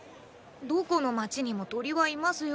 どこの街にも鳥はいますよ。